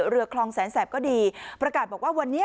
เรือคลองแสนแสบก็ดีประกาศบอกว่าวันนี้